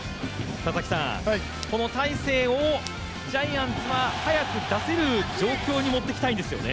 この大勢をジャイアンツは早く出せる状況に持っていきたいんですよね。